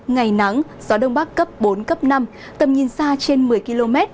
ngày nắng gió đông bắc cấp bốn cấp năm tầm nhìn xa trên một mươi km